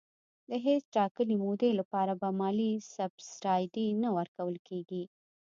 د هیڅ ټاکلي مودې لپاره به مالي سبسایډي نه ورکول کېږي.